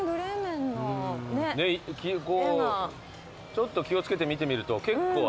ちょっと気を付けて見てみると結構あります。